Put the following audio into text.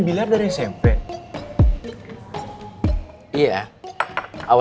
biar gue makan aja